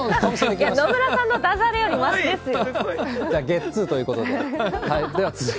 野村さんのだじゃれよりましですよ。